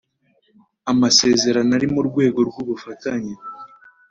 Amsezerano ari mu rwego rw ubufatanye